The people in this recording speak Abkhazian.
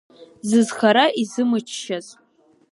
Зызхара изымыччаз.